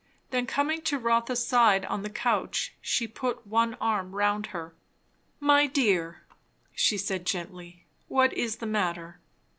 Then coming to Rotha's side on the couch, she put one arm round her. "My dear," she said gently, "what is the matter?"